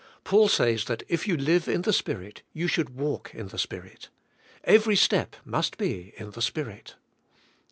Paul says that if you live in the Spirit, you should walk in the Spirit. Kvery step must be in the Spirit.